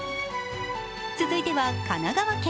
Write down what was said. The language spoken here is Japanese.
続いては神奈川県。